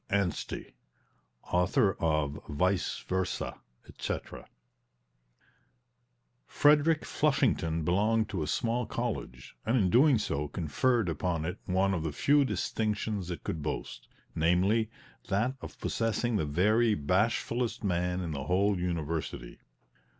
ANSTEY Author of "Vice Versa," etc. Frederick Flushington belonged to a small college, and in doing so conferred upon it one of the few distinctions it could boast namely, that of possessing the very bashfulest man in the whole university.